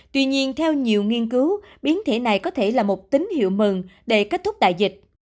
tuy nhiên theo nhiều nghiên cứu biến thể này có thể là một tín hiệu mừng để kết thúc đại dịch